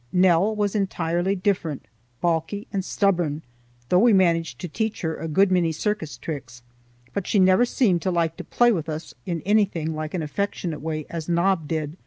Nell was entirely different; balky and stubborn, though we managed to teach her a good many circus tricks; but she never seemed to like to play with us in anything like an affectionate way as Nob did.